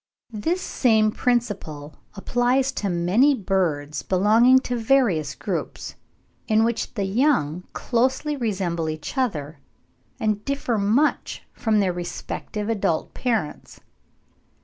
This same principle applies to many birds belonging to various groups, in which the young closely resemble each other, and differ much from their respective adult parents.